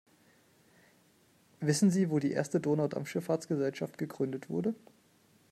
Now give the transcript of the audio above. Wissen Sie, wo die erste Donaudampfschiffahrtsgesellschaft gegründet wurde?